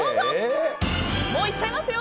もういっちゃいますよ！